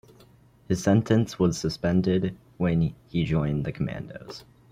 His sentence was suspended when he joined the commandos.